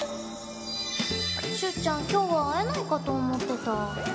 しゅうちゃん今日は会えないと思ってた。